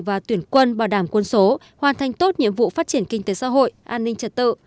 và tuyển quân bảo đảm quân số hoàn thành tốt nhiệm vụ phát triển kinh tế xã hội an ninh trật tự